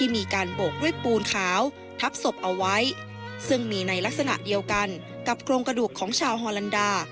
มีการโบกด้วยปูนขาวทับศพเอาไว้ซึ่งมีในลักษณะเดียวกันกับโครงกระดูกของชาวฮอลันดา